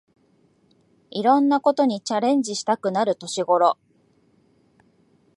いろんなことにチャレンジしたくなる年ごろ